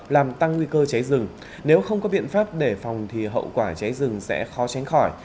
làm tăng nguy cơ cháy rừng nếu không có biện pháp để phòng thì hậu quả cháy rừng sẽ khó tránh khỏi